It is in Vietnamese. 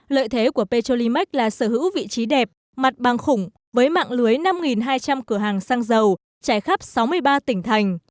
lợi thế của petrolimax là sở hữu vị trí đẹp mặt bằng khủng với mạng lưới năm hai trăm linh cửa hàng xăng dầu trải khắp sáu mươi ba tỉnh thành